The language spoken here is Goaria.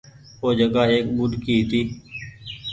او جگآ ايڪ ٻوڏڪي هيتي۔